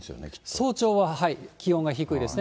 早朝は気温が低いですね。